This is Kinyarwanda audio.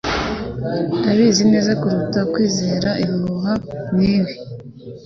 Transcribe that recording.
Ndabizi neza kuruta kwizera ibihuha nkibi.